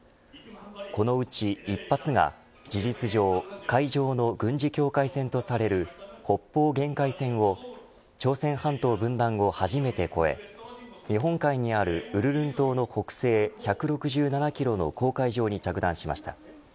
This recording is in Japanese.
このうち１発が事実上海上の軍事境界線とされる北方限界線を朝鮮半島分断後、初めて越え日本海にある鬱陵島の北西１６７キロの公海上に着弾しました。